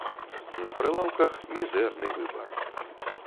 На прылаўках мізэрны выбар.